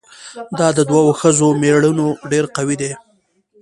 دا د دوو ښځو ميړونه ډېر قوي دي؟